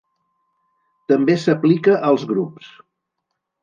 També s’aplica als grups.